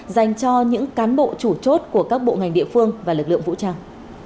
dành cho những cán bộ chủ chốt của các bộ ngành địa phương và lực lượng vũ trang